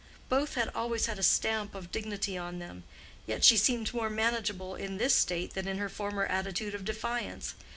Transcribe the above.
Both had always had a stamp of dignity on them. Yet she seemed more manageable in this state than in her former attitude of defiance.